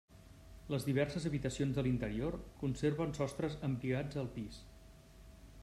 Les diverses habitacions de l'interior conserven sostres embigats al pis.